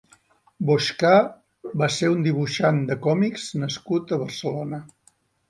Boixcar va ser un dibuixant de còmics nascut a Barcelona.